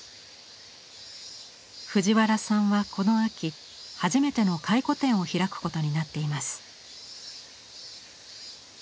藤原さんはこの秋初めての回顧展を開くことになっています。